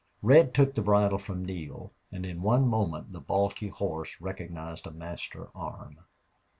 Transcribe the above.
Red took the bridle from Neale and in one moment the balky horse recognized a master arm.